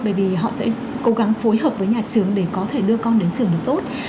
bởi vì họ sẽ cố gắng phối hợp với nhà trường để có thể đưa con đến trường được tốt